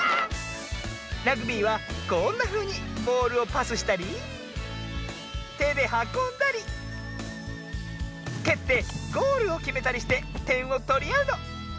ラグビーはこんなふうにボールをパスしたりてではこんだりけってゴールをきめたりしててんをとりあうの。